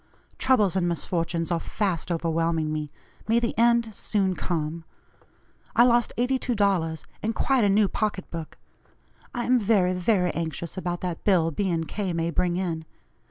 Troubles and misfortunes are fast overwhelming me; may the end soon come. I lost $82, and quite a new pocket book. I am very, very anxious about that bill B. & K. may bring in.